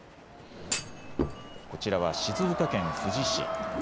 こちらは静岡県富士市。